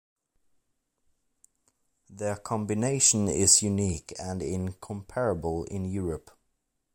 Their combination is unique and incomparable in Europe.